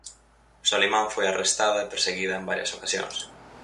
Soliman foi arrestada e perseguida en varias ocasións.